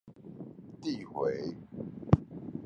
遞迴